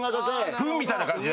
フンみたいな感じで？